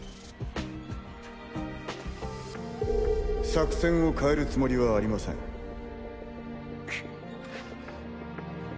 作戦を変えるつもりはありくっ。